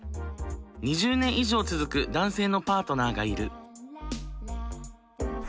２０年以上続く男性のパートナーがいる。